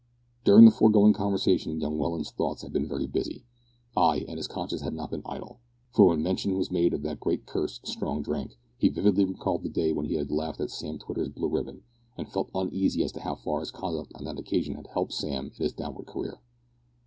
During the foregoing conversation young Welland's thoughts had been very busy; ay, and his conscience had not been idle, for when mention was made of that great curse strong drink, he vividly recalled the day when he had laughed at Sam Twitter's blue ribbon, and felt uneasy as to how far his conduct on that occasion had helped Sam in his downward career.